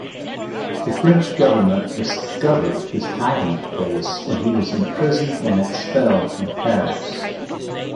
The French government discovered his hiding-place, and he was imprisoned and expelled from Paris.